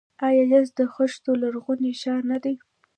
آیا یزد د خښتو لرغونی ښار نه دی؟